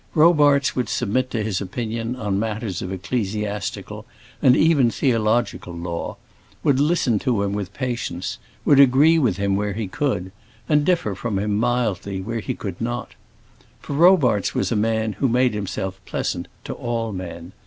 Robarts would submit to his opinion on matters of ecclesiastical and even theological law, would listen to him with patience, would agree with him where he could, and differ from him mildly when he could not. For Robarts was a man who made himself pleasant to all men.